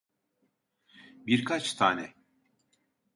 Bir kaç tane.